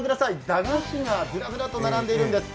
駄菓子がずらずらと並んでいるんです。